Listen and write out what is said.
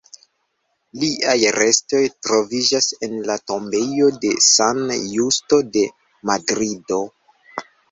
Liaj restoj troviĝas en la tombejo de San Justo de Madrido.